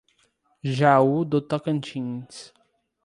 Jaú do Tocantins